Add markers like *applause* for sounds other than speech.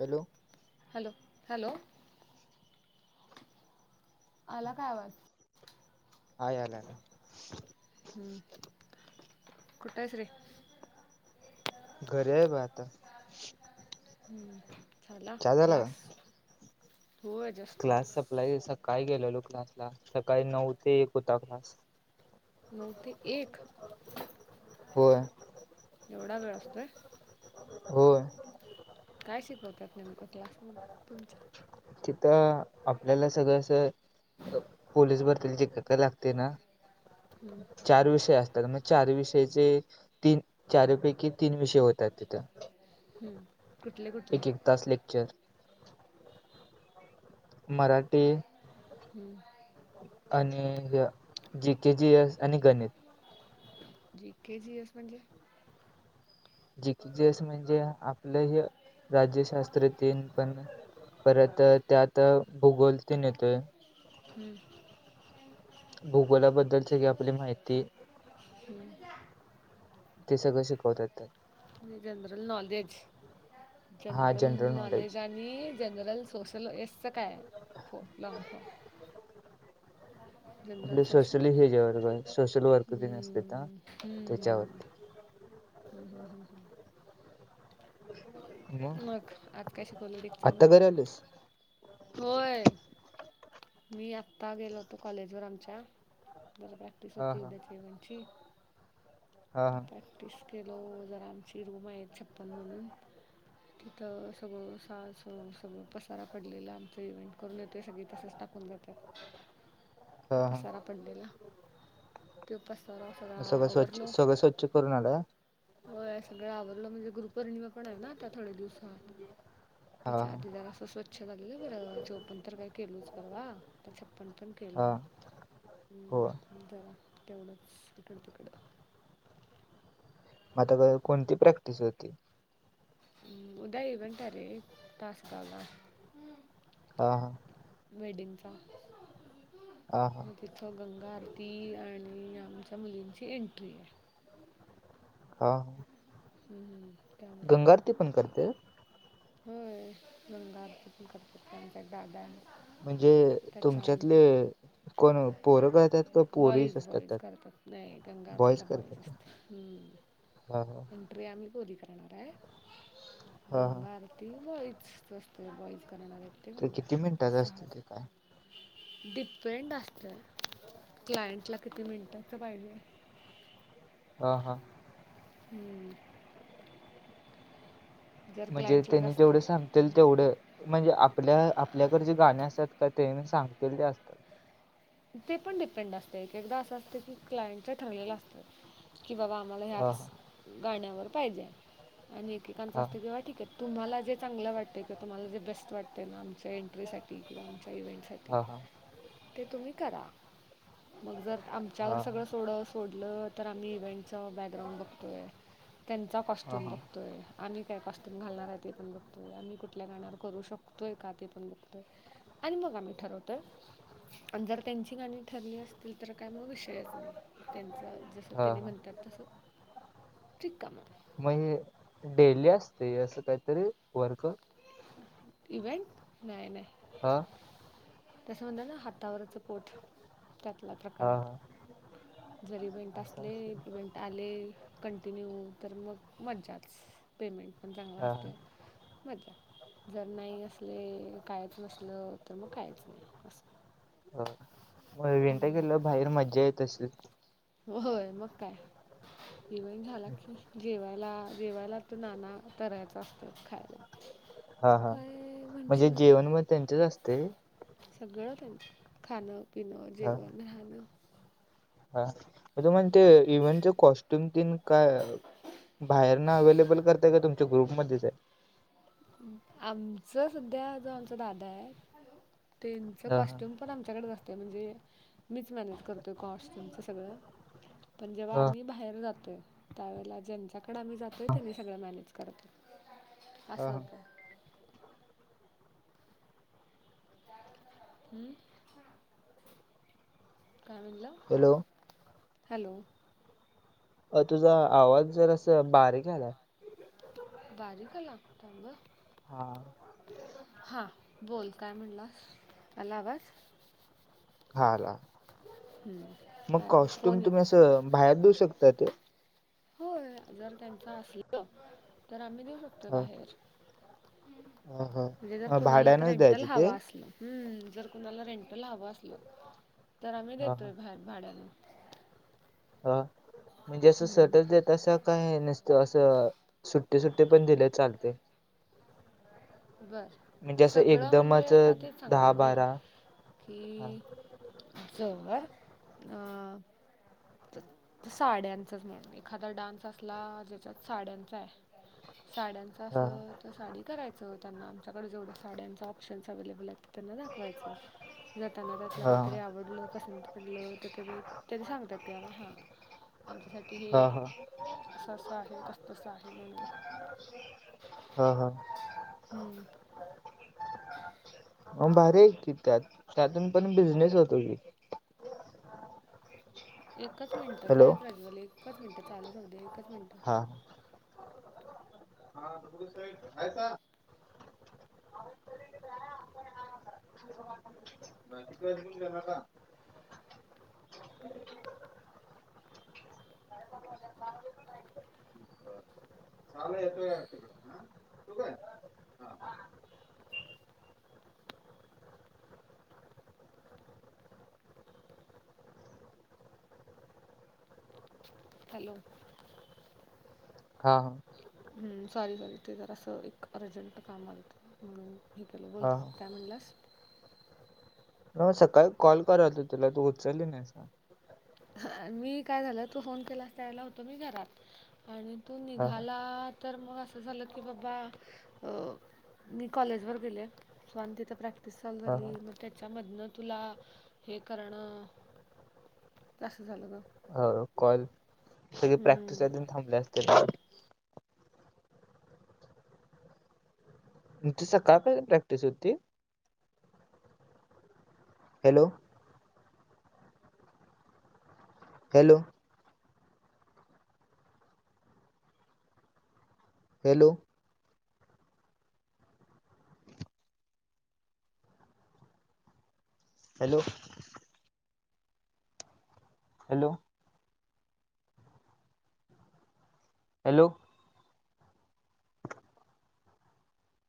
Hello. Hello hello. आला का आवाज. हां यालाय. हम्म कुठं हायस रे. घरी आहे बघ आता. हम्म झाला चहा का? क्लास. हो अज क्लास संपला सकाळी गेलेलो क्लासला, सकाळी नऊ ते एक होता क्लास. नऊ ते एक. होय. एवढा वेळ असतोय. होय. काय शिकवत्यात नेमकं, क्लासमध्ये तुमच्या. तिथं आपल्याला सगळं असं. पोलीस भरतीला जे, काय काय लागते ना. हम्म. चार विषय असत्यात. मग चार विषयाचे तीन चारपैकी तीन विषय होतात तिथं. हम्म. कुठले कुठले? एक एक तास लेक्चर मराठी. हम्म. आणि जी के जी एस आणि गणित. जी के जी एस म्हणजे, जी के जी एस म्हणजे, आपलंही राज्यशास्त्र तेन पण. परत त्यात भूगोल तेन येतोय. हम्म. भूगोलाबद्दलची ही आपली माहिती. हम्म ते सगळं शिकवत्यातं जनरल नॉलेज, जनरल नॉलेज आणी जनरल सोशल, येसच काय, लॉगफार्म जनरल आपले सोशल, ह्याच्यावर सोशल हम्म- वर्क तेन असत्यात हा हम्म हम्म, त्याच्यावरती हम्, हम्, हम् मग, आज काय शिकवलं आत्ता लेक्चरमध्येे? घरी आलीस होय, मी आत्ता गेलो होतो, कॉलेजवर आमच्या, बरं- बरं ती, हा सती हा उद्या ठेवांची, हा हा *unintelligible* तीस कीलो जरा, आमची रूम आहे, छप्पन म्हणून तिथं सगळं, सास स सगळं, पसारा पडलेला, आमचं इव्हेंट करून येतो, सगळी तसंच टाकून जात त्यात हा हा पसारा पडलेला त्यो पसारा सगळा मग सगळं स्वच्छ आवरलो सगळं स्वच्छ करून आला व्हय, सगळं आवरलं, म्हणजे गुरूपौर्णिमा पण आहे ना, आता थोड्या दिवसात हा त्याच्या हा आधी जरासं, स्वच्छ झालेलं बरं, चोपन तर काय केलच परवा आता छप्पन पण हा केलं, हो मग हंम जरा तेवढंच इकडं -तिकडं म, आता गवा, कोणती प्रॅक्टिस होती? उं, उद्या इव्हेंट हाय रे, तासगावला हा, हा मेडिंगचा हा हा *unintelligible* थं, गंगा आरती आणि आमच्या मुलींची एंट्री आहे. हा हम्म गंगाआरती पण करते? व्हय, गंगाआरती पण करते, ते आमचा दादा आहे म्हणजे, त्याच्या आंट तुमच्यातले कोण, पोरं करत्यात का पोरीस बॉईज असतात बॉईज त्यात? करतात नाही, बॉईज गंगाआरतीला बॉयच करतात असता, हम्म हा, हा प्रिया आम्ही पोरी करणार हाय, हा हा गंगाआर ती बॉईजच असते, बॉईज करणार आहेत ते किती गंगाआरती करता, मिनिटाचं असतं ते सहाचा काय डिपेंड असतं, क्लायंटला किती मिनटाचं पाहिजे? हा, हा हम्म जर म्हणजे, क्लायंटला कोणी जास्त तेवढं सांग? तील तेवढं, म्हणजे आपल्या -आपल्याकडे जे गाणे असतात का, तेनी सांगतील ते असतात? ते पण, डिपेंड असतंय, एक एकदा असं असतं की, क्लायंटच ठरलेलं असतं, की बाबा मला हा ह्याच गाण्यावर पाहिजे आणि एकेकांचं हा असतंय तेंव्हा ठीक आहे तुम्हाला जे चांगलं वाटतंय का? तुम्हाला जे बेस्ट वाटते ना, आमच्या एंट्रीसाठी किंवा आमच्या इव्हेंटसाठी ठीक हा हा हा ते तुम्ही करा, मग जर, आमच्यावर हा सगळं एवढं सोडलं, तर आम्ही इव्हेंट चा बॅकग्राऊंड बघतोय, त्यांचा हा कॉस्ट्यूम बघतोय आम्ही काय, कॉस्ट्युम घालणार हाय, ते पण बघतोय, आम्ही कुठल्या, गाण्यावर करू शकतोय का, ते पण बघतोय? आणि मग आम्ही ठरवतोय, पण जर त्यांची गाणी, ठरली असतील, तर काय मग विषयच नाही. त्यांच, जसं हा त्यांनी हा म्हणत्यात, तसं ठीक काम आहे मग, डेली असते, असं काहीतरी वर्क इव्हेंट नाही नाही. हा. तसं म्हणतात ना हातावरच पोट त्यातला प्रकार हा आहे हा तो. जर इव्हेंट असं असले असते इव्हेंट आले कंटिन्यू, तर मग मज्जाच पेमेंट पण चांगला हा असतोय. मज्जा. जर नाही असले, कायच नसंल तर मग कायच नाही असं. हो. मग *unintelligible* हम्म. गेल बाहेर मज्जा येत असेल. होय मग काय. एव्हेन्ट झाला की जेवाय जेवायला तर नाना तऱ्हाच असतं खायला. हा हा काय म्हणजे म्हणशील ते जेवण मग त्यांचेच असतंय? सगळं त्यांच. खाणं, पिणं, हा जेवण, राहणं. हा. तुम्ही ते इव्हेंटचे कॉस्ट्युम तेनं काय बाहेरन अव्हेलेबल करताय का तुम ते ग्रुपमध्येच आहेत? आमचं सध्या जो आमचा दादा आहे त्यांच हा हा कॉस्ट्युम पण आमच्याकडेच असते म्हणजे मीच मॅनेज करतो कॉस्ट्युमच सगळं. पण जेव्हा आम्ही बाहेर जातोय त्यावेळेला ज्यांच्याकडे आम्ही जातोय त्यांनी सगळं मॅनेज करतात. हा हो हा का? हम्म. काय म्हणला? हॅलो. हॅलो. ताई तुझा आवाज जरासं बारीक आला. बारीक आला थांब हं. हा. हा बोल काय म्हणलास, आला आवाज? हा आला. हम्म. मग अ, कॉस्ट्यूम फोन तुम्ही येत असं बाहेर देऊ शकता ते? होय जर त्यांच असलं, तर आम्ही देऊ शकतो हा बाहेर. हा म्हणजे जर हा कुणाला तर भाड्यानच रेंटल द्यायचं ते हवा असलं. हम्म. जर कुणाला रेंट ला हवं असलं, ‌ तर आम्ही हा हा देतोय बाहेर भाड्यानं. हा म्हणजे असं सटर हम्म देतायसा काय नसतं असं सुट्टी सुट्टी पण दिलंय चालतंय. बरं म्हणजे असं सगळं म्हणजे एकदमच आता तेच दहा सांगलोय रे, बारा हा की जोवर अ तर साड्यांचाच म्हण एखादा डान्स असला ज्याच्यात साड्यांच आहे साड्यांचं हा असलं तर साडी करायचं त्यांना आमच्याकडं जेवढं साड्यांचा ऑप्शन्स अव्हेलेबल आहेत ते त्यांना दाखवायचं. जाताना त्यातलं हा काहीतरी आवडलं, पसंत पडलं तर तरी तेनी सांगत्यात की बाबा हा आमच्यासाठी हा हे हा असं असं आहे तस तसं आहे म्हणून. हा हा. हम्म. अम भारी आहे की त्यात त्यातून पण बिझनेस होतो की. एकच मिनटं हॅलो काय प्रज्वल एकच मिनटं चालू राहू दे एकच मिनटं. आ हा. *unintelligible* Hi sir. *unintelligible* *unintelligible* चावलं येतोय *unintelligible* हा. हॅलो. हा हा. हम्म सॉरी सॉरी ते जरा असं एक अर्जंट काम आलतं म्हणून हेकलो बोल हा की काय म्हणलंस? म सकाळी कॉल करात होतं तुला तू उचलिस नाहीस ना. हा मी काय झालं तु फोन केलास त्या वेळेला होतो मी घरात आणि तू हा निघाला तर मग असं झालं की बाबा अ मी कॉलेज वर गेलेय सो आणि तिथं प्रॅक्ट दिसाल हा झाली हा मग त्याच्यामधनं तुला हे करणं तसं झालं गं. हो कॉल सगळे हम्म. प्रॅक्टिसा देऊन थांबले असते. *unintelligible* तुमची सकाळ पर्यंत प्रॅक्टिस होती? Hello. Hello. Hello. Hello. Hello. Hello.